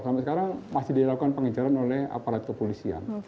sampai sekarang masih dilakukan pengejaran oleh aparat kepolisian